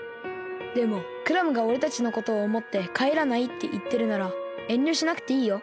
でもクラムがおれたちのことをおもってかえらないっていってるならえんりょしなくていいよ。